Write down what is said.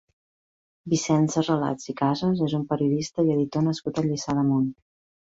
Vicenç Relats i Casas és un periodista i editor nascut a Lliçà d'Amunt.